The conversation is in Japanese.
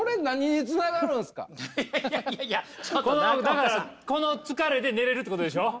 このだからこの疲れで寝れるってことでしょ？